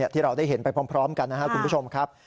ที่เราได้เห็นไปพร้อมกันนะครับคุณผู้ชมครับ